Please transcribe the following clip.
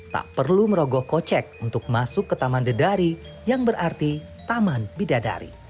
tak perlu merogoh kocek untuk masuk ke taman dedari yang berarti taman bidadari